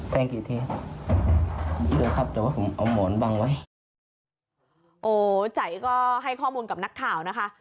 กี่ทีครับเยอะครับแต่ว่าผมเอาหมอนวางไว้โอ้ใจก็ให้ข้อมูลกับนักข่าวนะคะ